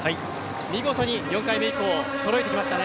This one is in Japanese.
見事に４回目以降そろえてきましたね。